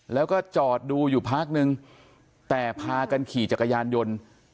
แล้วก็จอดดูอยู่พักนึงแต่พากันขี่จักรยานยนต์